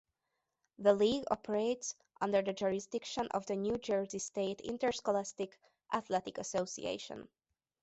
The league operates under the jurisdiction of the New Jersey State Interscholastic Athletic Association.